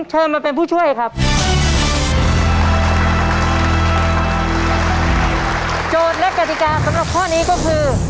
โจทย์และกติกาสำหรับข้อนี้ก็คือ